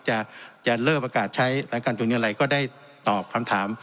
จะจะเลิกประกาศใช้และการจุดเงินอะไรก็ได้ตอบคำถาม